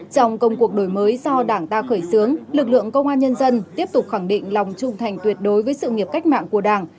trong công cuộc đổi mới do đảng ta khởi xướng lực lượng công an nhân dân tiếp tục khẳng định lòng trung thành tuyệt đối với sự nghiệp cách mạng của đảng